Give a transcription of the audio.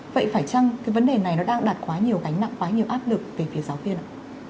vậy phải chăng cái vấn đề này nó đang đạt quá nhiều gánh nặng quá nhiều áp lực về phía giáo viên ạ